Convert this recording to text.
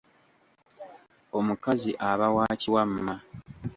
Omukazi aba wa kiwamma.